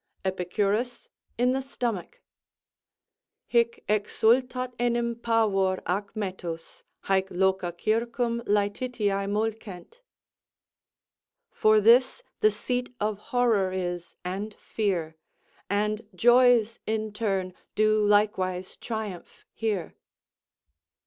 Epicurus in the stomach; Hic exsultat enim pavor ac metus; Hæc loca circum Lætitiæ mulcent. "For this the seat of horror is and fear, And joys in turn do likewise triumph here."